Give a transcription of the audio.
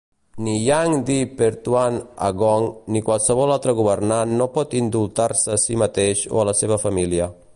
Ni Yang di-Pertuan Agong ni qualsevol altre governant no pot indultar-se a si mateix o a la seva família.